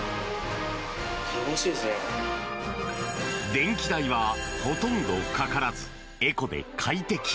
電気代はほとんどかからずエコで快適。